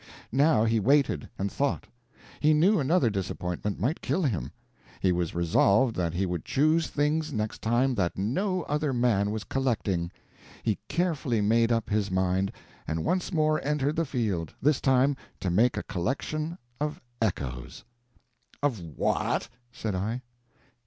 Now he waited, and thought. He knew another disappointment might kill him. He was resolved that he would choose things next time that no other man was collecting. He carefully made up his mind, and once more entered the field this time to make a collection of echoes. "Of what?" said I.